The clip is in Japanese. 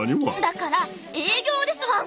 だから営業ですワン！